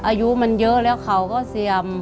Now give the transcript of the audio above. อายุมันเยอะแล้วเขาก็เสี่ยม